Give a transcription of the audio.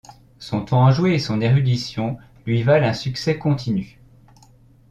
Son ton enjoué et son érudition lui valent un succès continu.